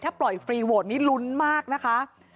ปล่อยฟรีโวทนี้ลุ้นมากนะคะ